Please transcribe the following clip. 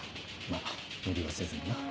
まぁ無理はせずにな。